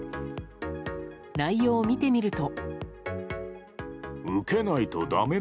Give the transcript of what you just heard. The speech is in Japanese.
内容を見てみると。